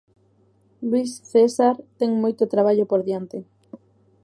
Luís César ten moito traballo por diante.